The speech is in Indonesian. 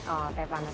oh teh panas manis